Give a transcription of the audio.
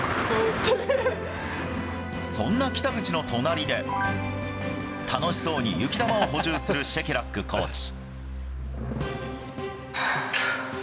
そんな北口の隣で、楽しそうに雪玉を補充するシェケラックコーチ。